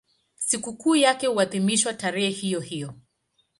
Sikukuu yake huadhimishwa tarehe hiyohiyo.